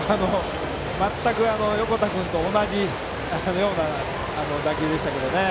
全く横田君と同じような打球でしたけどね。